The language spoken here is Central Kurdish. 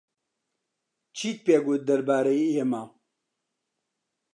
چیت پێ گوت دەربارەی ئێمە؟